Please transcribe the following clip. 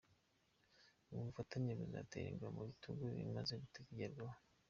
Ubu bufatanye buzatera ingabo mu bitugu ibimaze kugerwaho.